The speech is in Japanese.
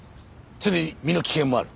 常に身の危険もある。